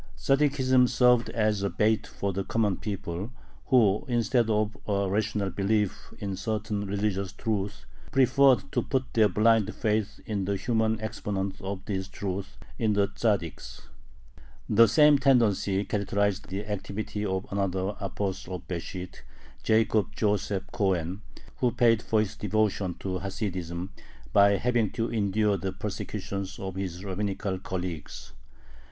Tzaddikism served as a bait for the common people, who, instead of a rational belief in certain religious truths, preferred to put their blind faith in the human exponents of these truths in the Tzaddiks. The same tendency characterized the activity of another apostle of Besht, Jacob Joseph Cohen, who paid for his devotion to Hasidism by having to endure the persecutions of his rabbinical colleagues.